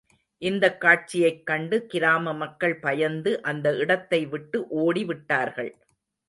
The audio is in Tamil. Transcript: இந்தக் காட்சியைக் கண்டு கிராம மக்கள் பயந்து அந்த இடத்தைவிட்டு ஓடி விட்டார்கள்.